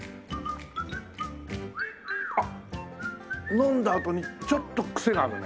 あっ飲んだあとにちょっとクセがあるね。